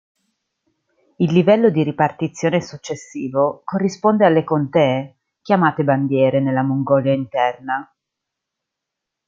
Il livello di ripartizione successivo corrisponde alle "contee", chiamate "bandiere" nella Mongolia Interna.